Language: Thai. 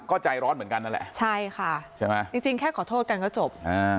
ก็ใจร้อนเหมือนกันนั่นแหละใช่ค่ะใช่ไหมจริงแค่ขอโทษกันก็จบ